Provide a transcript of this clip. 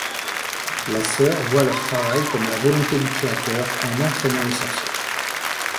La Sœur voit leur travail comme la volonté du Créateur en entraînant les sorciers.